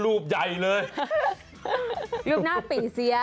รูปหน้าปี่เซี๊ย